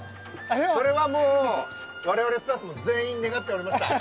これはもう、我々スタッフ全員願っておりました。